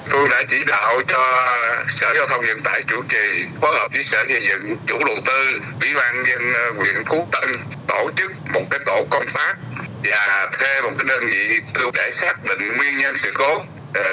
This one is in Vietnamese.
tỉnh tổ chức một cái tổ công pháp và thê một cái đơn vị tư để xác định nguyên nhân sự cố